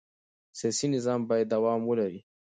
سیاسي نظام باید دوام ولري